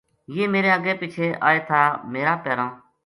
یہ میرے اَگے پِچھے آئے تھا میرا پیراں